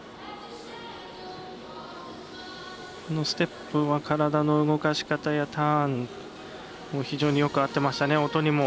ステップは体の動かし方やターン非常によく合ってましたね。